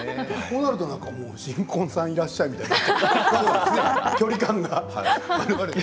こうなると、もう「新婚さんいらっしゃい！」みたいな。